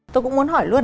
tôi cũng muốn hỏi luôn